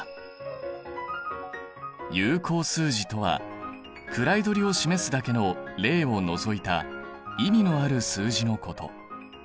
有効数字とは位取りを示すだけの０を除いた意味のある数字のこと。